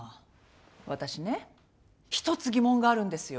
私ね１つ疑問があるんですよ。